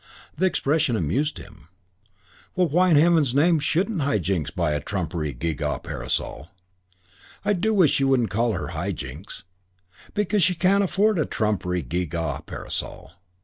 The expression amused him. "Well, why in heaven's name shouldn't High Jinks buy a trumpery, gee gaw parasol?" "I do wish you wouldn't call her High Jinks. Because she can't afford a trumpery, gee gaw parasol."